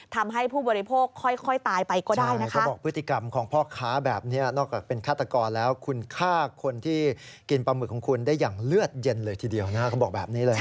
เชื่อดเย็นเลยทีเดียวนะคำบอกแบบนี้เลยนะ